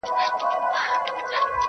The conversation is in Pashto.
و مقام د سړیتوب ته نه رسېږې,